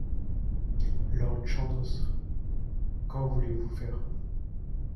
Lord Chandos Qu’en voulez-vous faire ?